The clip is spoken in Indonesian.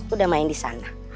udah main di sana